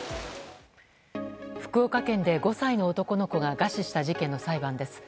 福岡県で５歳の男の子が餓死した事件の裁判です。